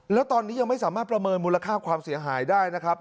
แล้วตอนนี้ยังไม่สามารถประเมินมูลค่าความเสียหายได้นะครับ